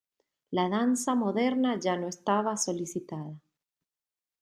La danza moderna ya no estaba solicitada.